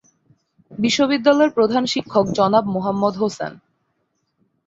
বিদ্যালয়ের প্রধান শিক্ষক জনাব মোহাম্মদ হোসেন।